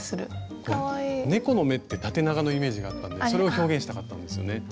猫の目って縦長のイメージがあったんでそれを表現したかったんですよね。